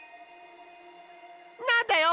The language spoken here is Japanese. なんだよ！